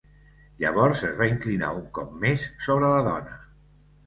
Llavors es va inclinar un cop més sobre la dona.